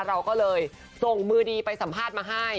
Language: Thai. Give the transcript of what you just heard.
เราก็เลยส่งมือดีไปสัมภาษณ์มาให้